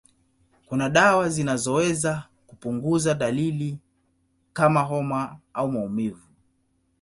Kuna dawa zinazoweza kupunguza dalili kama homa au maumivu.